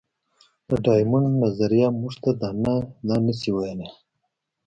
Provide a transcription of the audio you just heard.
د ډایمونډ نظریه موږ ته دا نه شي ویلی.